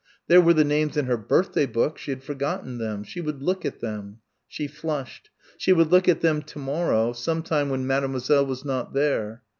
There were the names in her birthday book! She had forgotten them. She would look at them. She flushed. She would look at them to morrow, sometime when Mademoiselle was not there....